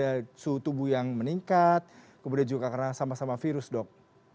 karena sama ada suhu tubuh yang meningkat kemudian juga karena sama sama virus dok